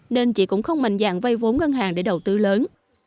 nên chị cũng không mạnh dạng vây vốn ngân hàng để đầu tư lớn